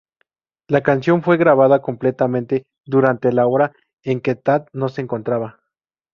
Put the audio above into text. La canción fue grabada completamente durante la hora en que Tad no se encontraba.